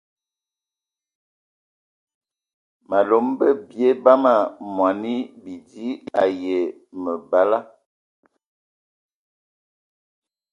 Malom bə bie bam mɔni bidi ai enyi məbala.